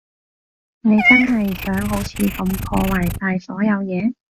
你真係想好似噉破壞晒所有嘢？